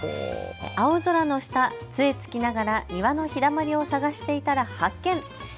青空の下、つえ突きながら庭の日だまりを探していたら発見。